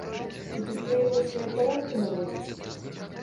Ты тут прыехаў свае парадкі наводзіць?